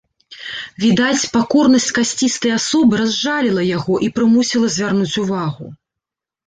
Відаць, пакорнасць касцістай асобы разжаліла яго і прымусіла звярнуць увагу.